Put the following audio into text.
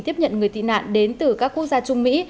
tiếp nhận người tị nạn đến từ các quốc gia trung mỹ